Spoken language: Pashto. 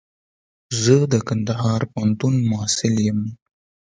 زه د کندهار پوهنتون محصل يم.